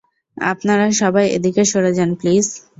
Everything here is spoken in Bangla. আপনারা সবাই এদিকে সরে যান, প্লিজ!